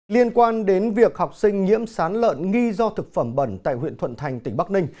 liên quan đến việc học sinh nhiễm sán lợn nghi do thực phẩm bẩn tại huyện thuận thành tỉnh bắc ninh